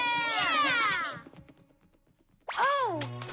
ああ！